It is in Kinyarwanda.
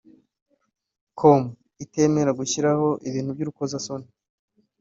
com itemera gushyiraho ibintu by’urukozasoni